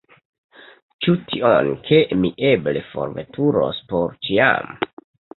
Ĉu tion, ke mi eble forveturos por ĉiam?